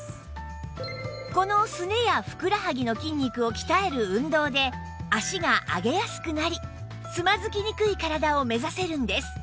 このすねやふくらはぎの筋肉を鍛える運動で脚が上げやすくなりつまずきにくい体を目指せるんです